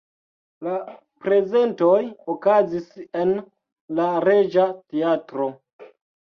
La prezentoj okazis en la Reĝa teatro.